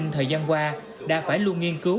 thời gian qua đã phải luôn nghiên cứu đổi mở